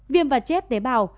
viêm và chết tế bào